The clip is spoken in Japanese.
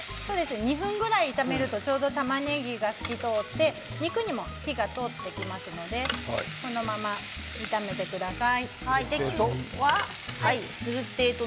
２分ぐらい炒めるとたまねぎが透き通って肉にも火が通ってきますのでこのまま炒めてください。